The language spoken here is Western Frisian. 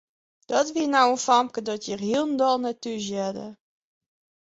Dat wie no in famke dat hjir hielendal net thúshearde.